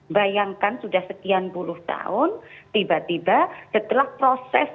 bayangkan sudah sekian puluh tahun tiba tiba setelah proses